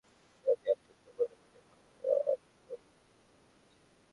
OC দাবি করেন, প্রাথমিকভাবে ঘটনাটি আত্মহত্যা বলে মনে হওয়ায় অপমৃত্যুর মামলা হয়েছে।